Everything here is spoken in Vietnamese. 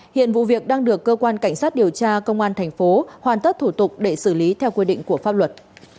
hiện vụ việc đang được cơ quan cảnh sát điều tra công an thành phố hoàn tất thủ tục để xử lý theo quy định của pháp luật